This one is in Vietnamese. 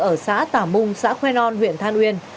ở xã tà mung xã khoe non huyện than uyên